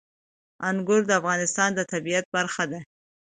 انګور د افغانستان د طبیعت برخه ده.